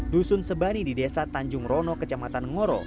dusun sebani di desa tanjung rono kecamatan ngoro